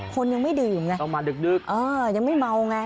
คนยังไม่ดื่มไงต้องมาดึกเออยังไม่เมาไง